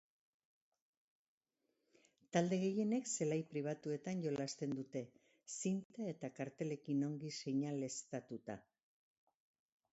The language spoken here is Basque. Talde gehienek zelai pribatuetan jolasten dute, zinta eta kartelekin ongi seinaleztatuta.